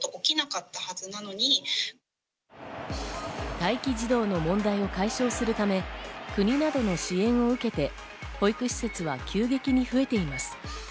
待機児童の問題を解消するため、国などの支援を受けて、保育施設は急激に増えています。